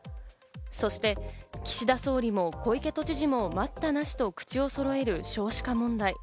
そして岸田総理も小池都知事も待ったなしと口をそろえる少子化問題。